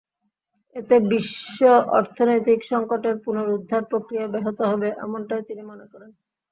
এতে বিশ্ব অর্থনৈতিক সংকটের পুনরুদ্ধার-প্রক্রিয়া ব্যাহত হবে, এমনটাই তিনি মনে করেন।